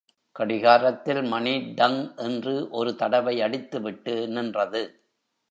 கடிகாரத்தில் மணி டங் என்று ஒரு தடவை அடித்துவிட்டு நின்றது.